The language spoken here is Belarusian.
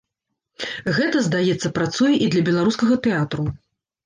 Гэта, здаецца, працуе і для беларускага тэатру.